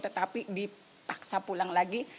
tetapi dipaksa pulang lagi